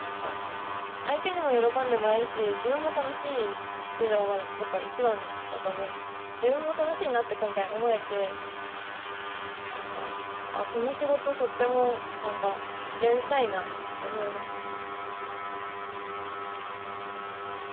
相手にも喜んでもらえるし自分も楽しいっていうのがやっぱ一番だと思う自分も楽しいなって今回思えてなんか「あこの仕事とってもなんかやりたいな」って思いました。